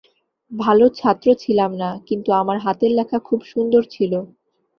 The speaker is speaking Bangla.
ভালো ছাত্র ছিলাম না, কিন্তু আমার হাতের লেখা খুব সুন্দর ছিল।